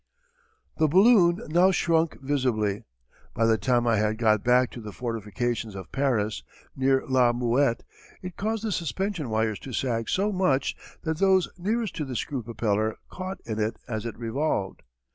The balloon now shrunk visibly. By the time I had got back to the fortifications of Paris, near La Muette, it caused the suspension wires to sag so much that those nearest to the screw propeller caught in it as it revolved.